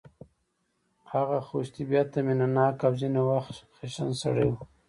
هغه خوش طبیعته مینه ناک او ځینې وخت خشن سړی و